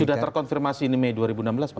sudah terkonfirmasi ini mei dua ribu enam belas pak